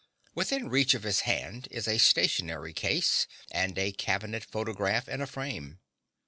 Within reach of his hand is a stationery case, and a cabinet photograph in a frame.